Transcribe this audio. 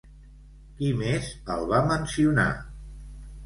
Qui més el va mencionar?